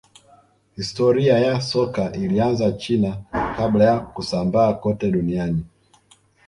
historia ya soka ilianzia china kabla ya kusambaa kote duniani